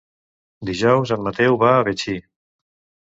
Dijous en Mateu va a Betxí.